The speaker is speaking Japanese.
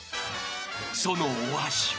［そのお味は？］